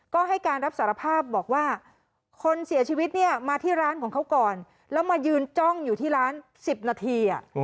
ก็ให้การรับสารภาพบอกว่าคนเสียชีวิตเนี่ยมาที่ร้านของเขาก่อนแล้วมายืนจ้องอยู่ที่ร้าน๑๐นาที